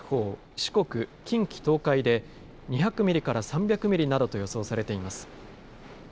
四国、近畿、東海で２００ミリから３００ミリなどと予想されています。